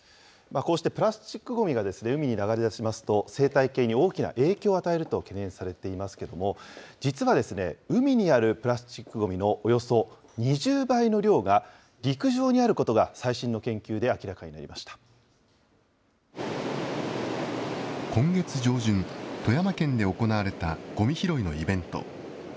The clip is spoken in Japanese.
こうしてプラスチックごみが海に流れ出しますと、生態系に大きな影響を与えると懸念されていますけれども、実は海にあるプラスチックごみのおよそ２０倍の量が、陸上にあることが、最新の研究で今月上旬、富山県で行われたごみ拾いのイベント。